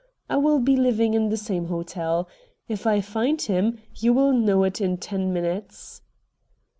I will be living in the same hotel. If I find him you will know it in ten minutes."